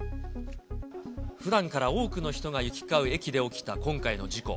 ふだんから多くの人が行き交う駅で起きた今回の事故。